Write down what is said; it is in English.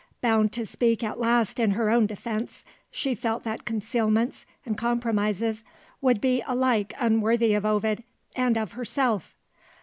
Bound to speak at last in her own defence, she felt that concealments and compromises would be alike unworthy of Ovid and of herself.